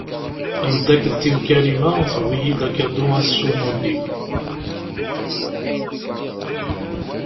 Tamdakkelt-iw Karima tewwi-iyi-d akadu ass n umuli-w.